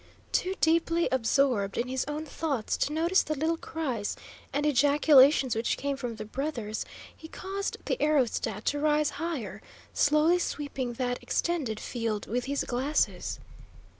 Too deeply absorbed in his own thoughts to notice the little cries and ejaculations which came from the brothers, he caused the aerostat to rise higher, slowly sweeping that extended field with his glasses.